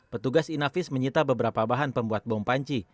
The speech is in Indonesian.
petugas inavis menyita beberapa bahan pembuat bom panci